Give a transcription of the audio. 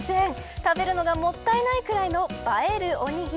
食べるのがもったいないくらいの映えるおにぎり。